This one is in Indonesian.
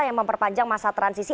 yang memperpanjang masa transisi